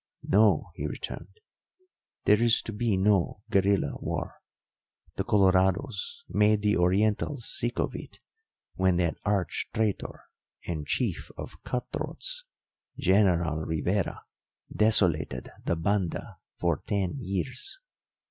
"No," he returned; "there is to be no guerilla war. The Colorados made the Orientals sick of it, when that arch traitor and chief of cut throats, General Rivera, desolated the Banda for ten years.